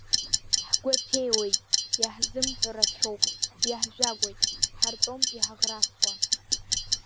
Ҳгәаҭеиуеит, иаҳзымҳәо рацәоуп, иаҳжәагәоит, ҳартәом иҳаӷрасуа…